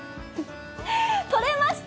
とれました。